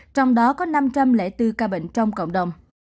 trong đó có năm trăm linh bốn ca bệnh trong cộng đồng